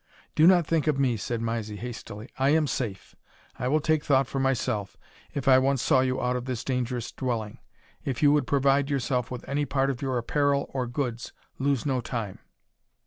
"Do not think of me," said Mysie, hastily; "I am safe I will take thought for myself, if I once saw you out of this dangerous dwelling if you would provide yourself with any part of your apparel or goods, lose no time."